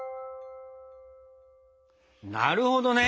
なるほどね。